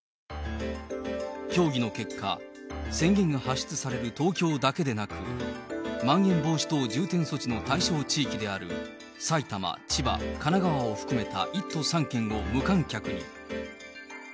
協議の結果、宣言が発出される東京だけでなく、まん延防止等重点措置の対象地域である埼玉、千葉、神奈川を含めた１都３県を無観客に。